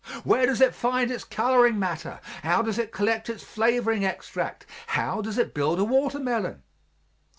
Where does it find its coloring matter? How does it collect its flavoring extract? How does it build a watermelon?